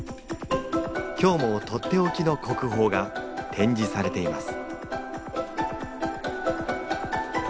今日もとっておきの国宝が展示されています